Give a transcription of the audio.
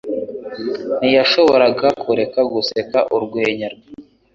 Ntiyashoboraga kureka guseka urwenya rwe.